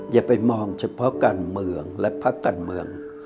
อย่าไปมองเฉพาะการเมืองและพักการเมือง